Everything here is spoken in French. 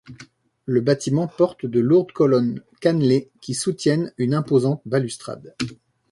Le bâtiment porte de lourdes colonnes cannelées qui soutiennent une imposante balustrade.